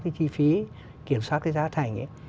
cái chi phí kiểm soát cái giá thành ấy